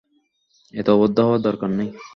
এত অভদ্র হওয়ার দরকার নেই।